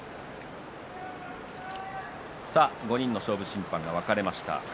５人の勝負審判が分かれました。